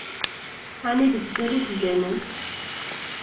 Ɛni deg uzal i tegganem?